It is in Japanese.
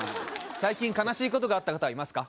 最近悲しいことがあった方はいますか？